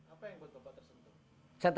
apa yang buat bapak tersentuh